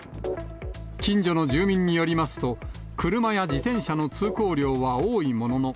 近所の住民によりますと、車や自転車の通行量は多いものの。